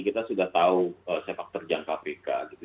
kita sudah tahu sepak terjang kpk gitu